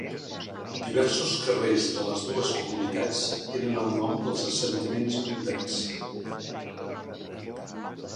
Diversos carrers de les dues comunitats tenen el nom dels assentaments inundats.